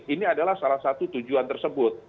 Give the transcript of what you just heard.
ini adalah salah satu tujuan tersebut